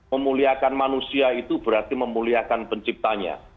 memuliakan manusia itu berarti memuliakan penciptanya